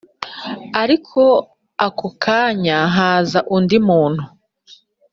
ariko ako kanya haza undi muntu